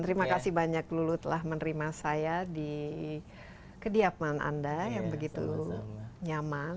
terima kasih banyak lulu telah menerima saya di kediaman anda yang begitu nyaman